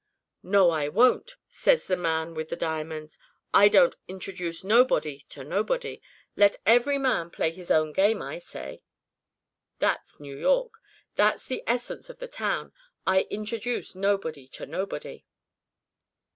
'No, I won't,' says the man with the diamonds, 'I don't introduce nobody to nobody. Let every man play his own game, I say.' That's New York. That's the essence of the town. 'I introduce nobody to nobody.'"